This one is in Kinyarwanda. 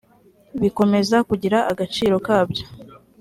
bikomeza kugira agaciro kabyo